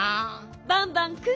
バンバンくん。